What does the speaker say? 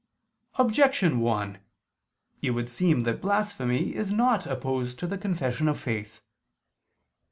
Objection 1: It would seem that blasphemy is not opposed to the confession of faith.